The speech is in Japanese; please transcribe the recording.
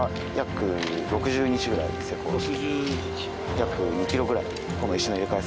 約２キロぐらいこの石の入れ換え